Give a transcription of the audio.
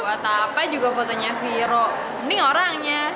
buat apa juga fotonya viro mending orangnya